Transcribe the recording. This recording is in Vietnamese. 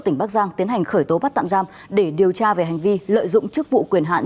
tỉnh bắc giang tiến hành khởi tố bắt tạm giam để điều tra về hành vi lợi dụng chức vụ quyền hạn